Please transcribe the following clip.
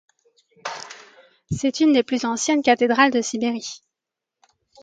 C'est une des plus anciennes cathédrale de Sibérie.